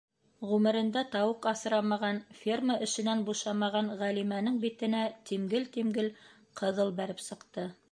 Ғүмерендә тауыҡ аҫрамаған, ферма эшенән бушамаған Ғәлимәнең битенә тимгел-тимгел ҡыҙыл бәреп сыҡты: